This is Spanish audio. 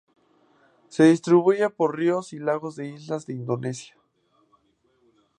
Se distribuye por ríos y lagos de islas de Indonesia.